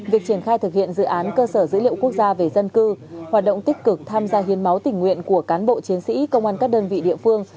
việc triển khai thực hiện dự án cơ sở dữ liệu quốc gia về dân cư hoạt động tích cực tham gia hiến máu tình nguyện của cán bộ chiến sĩ công an các đơn vị địa phương